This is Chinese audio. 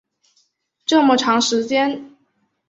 这么长的时间